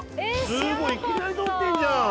すごいいきなり採ってんじゃん。